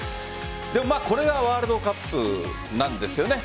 でもこれがワールドカップなんですよね。